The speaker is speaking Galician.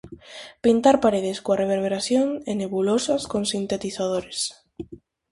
Pintar paredes coa reverberación e nebulosas con sintetizadores.